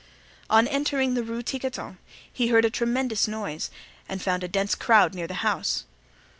On entering the Rue Tiquetonne he heard a tremendous noise and found a dense crowd near the house.